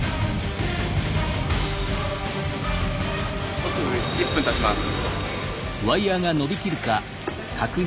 もうすぐ１分たちます。